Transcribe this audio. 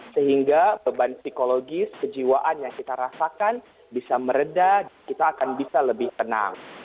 sehingga beban psikologis kejiwaan yang kita rasakan bisa meredah kita akan bisa lebih tenang